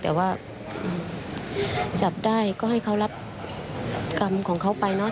แต่ว่าจับได้ก็ให้เขารับกรรมของเขาไปเนอะ